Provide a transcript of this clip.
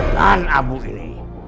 dan abu ini